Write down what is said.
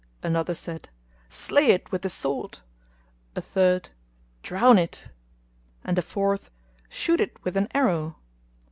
another said, "Slay it with the sword;" a third, "Drown it;" and a fourth, "Shoot it with an arrow."